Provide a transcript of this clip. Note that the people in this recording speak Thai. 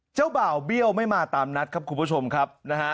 เจ้าบ่าวเบี้ยวไม่มาตามนัดครับคุณผู้ชมครับนะฮะ